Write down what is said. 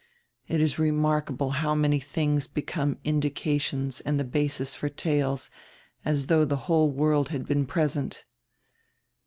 It is remarkable how many tilings become indications and the basis for tales, as though the whole world had been present."